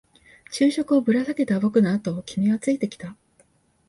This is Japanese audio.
昼食をぶら下げた僕のあとを君はついてきた。